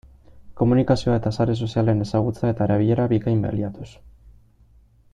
Komunikazioa eta sare sozialen ezagutza eta erabilera bikain baliatuz.